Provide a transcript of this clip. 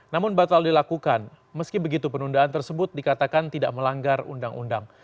namun batal dilakukan meski begitu penundaan tersebut dikatakan tidak melanggar undang undang